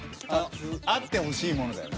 あってほしいものだよね。